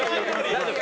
大丈夫？